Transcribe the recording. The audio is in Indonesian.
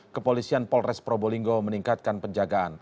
kepolisian polres probolinggo meningkatkan penjagaan